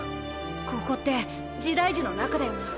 ここって時代樹の中だよな。